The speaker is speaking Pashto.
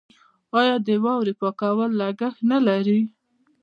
آیا د واورې پاکول لګښت نلري؟